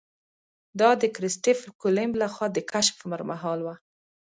دا د کرسټېف کولمب له خوا د کشف پر مهال وه.